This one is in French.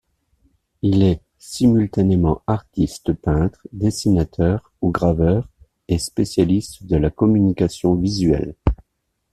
Il est simultanément artiste peintre, dessinateur ou graveur et spécialiste de la communication visuelle.